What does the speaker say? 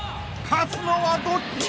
［勝つのはどっち？］